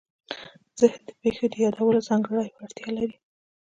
ذهن د پېښو د یادولو ځانګړې وړتیا لري.